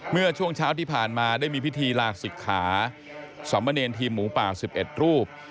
เมื่อช่วงเช้าที่ผ่านมาได้มีพิธีลาศิกขาสมเนรทีมหมูป่า๑๑รูป